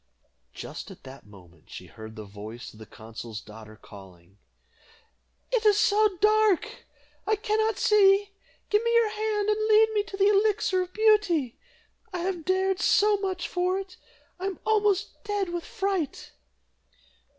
Just at that moment she heard the voice of the consul's daughter calling, "It is so dark, I cannot see; give me your hand, and lead me to the Elixir of Beauty. I have dared so much for it! I am almost dead with fright."